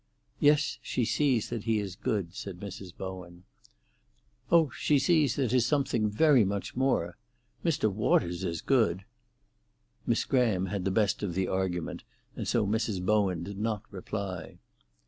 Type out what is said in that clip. "Yes, she sees that he is good," said Mrs. Bowen. "Oh, she sees that he's something very much more. Mr. Waters is good." Miss Graham had the best of the argument, and so Mrs. Bowen did not reply.